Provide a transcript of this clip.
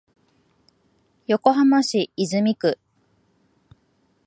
横浜市泉区